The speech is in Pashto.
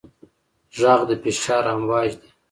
غږ د فشار امواج دي.